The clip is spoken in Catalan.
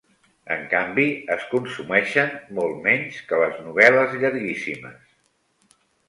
En canvi, es consumeixen molt menys que les novel·les llarguíssimes.